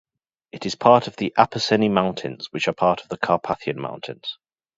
It is part of the Apuseni Mountains, which are part of the Carpathian Mountains.